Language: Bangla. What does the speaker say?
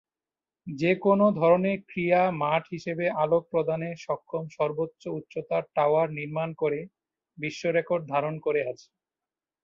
যে-কোন ধরনের ক্রীড়া মাঠ হিসেবে আলোক প্রদানে সক্ষম সর্বোচ্চ উচ্চতার টাওয়ার নির্মাণ করে বিশ্বরেকর্ড ধারণ করে আছে।